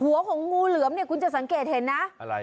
หัวของงูเหลือมเนี่ยคุณจะสังเกตเห็นนะอะไร